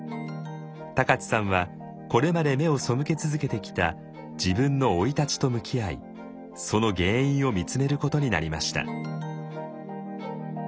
高知さんはこれまで目を背け続けてきた自分の生い立ちと向き合いその原因を見つめることになりました。